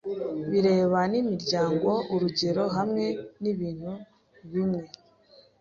bireba nimiryango urugero hamwe nibintu bimwe